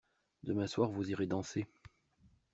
Demain soir vous irez danser.